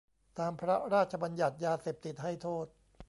ตามพระราชบัญญัติยาเสพติดให้โทษ